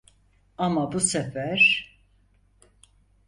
Ama bu sefer…